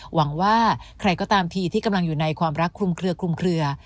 หวังว่าใครก็ตามทีที่กำลังอยู่ในความรักคลุมเคลือคลุมเคลือ